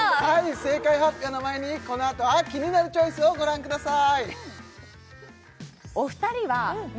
正解発表の前にこの後は「キニナルチョイス」をご覧ください